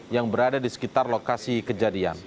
yang berada di sekitar lokasi kejadian